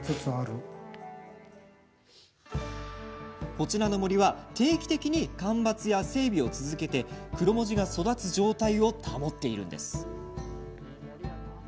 こちらの森は定期的に間伐や整備を続けクロモジが育つ状態を保っています。